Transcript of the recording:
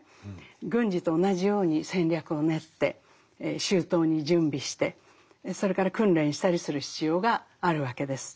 軍事と同じように戦略を練って周到に準備してそれから訓練したりする必要があるわけです。